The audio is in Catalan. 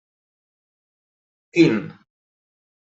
Quin?